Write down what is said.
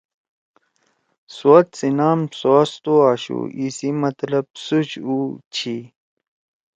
سوات سی نام سواستُو آشُو۔ ای سی مطلب سُوچ اُو چھی۔